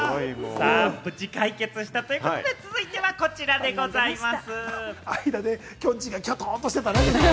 無事解決したというところで、続いてはこちらでございます。